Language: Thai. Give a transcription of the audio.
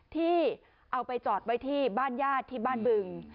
ที่เอาไปจอดไว้ที่บ้านญาติที่บ้านบึง